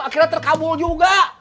akhirnya terkabul juga